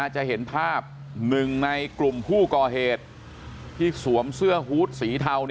จะเห็นภาพหนึ่งในกลุ่มผู้ก่อเหตุที่สวมเสื้อฮูตสีเทา